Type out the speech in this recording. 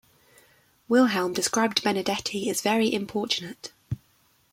Wilhelm described Benedetti as very importunate.